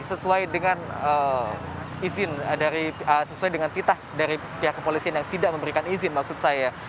sesuai dengan izin sesuai dengan titah dari pihak kepolisian yang tidak memberikan izin maksud saya